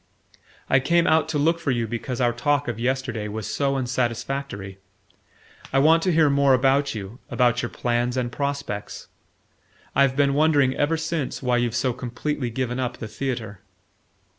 "I came out to look for you because our talk of yesterday was so unsatisfactory. I want to hear more about you about your plans and prospects. I've been wondering ever since why you've so completely given up the theatre."